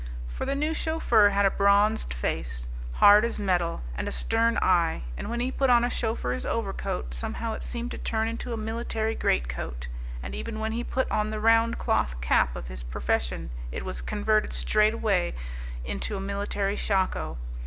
For the new chauffeur had a bronzed face, hard as metal, and a stern eye; and when he put on a chauffeur's overcoat some how it seemed to turn into a military greatcoat; and even when he put on the round cloth cap of his profession it was converted straightway into a military shako.